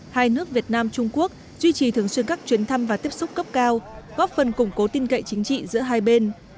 hai nước việt nam trung quốc duy trì thường xuyên các chuyến thăm và tiếp xúc cấp cao góp phần củng cố tin cậy chính trị giữa hai bên